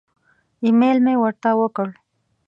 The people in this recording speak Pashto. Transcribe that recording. ایمیل مې ورته وکړ.